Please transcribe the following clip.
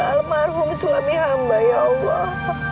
almarhum suami hamba ya allah